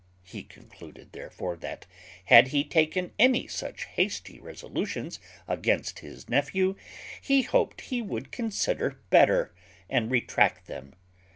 He concluded, therefore, that, had he taken any such hasty resolutions against his nephew, he hoped he would consider better, and retract them.